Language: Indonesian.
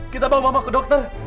kita bawa mama ke dokter